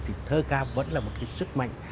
thì thơ ca vẫn là một cái sức mạnh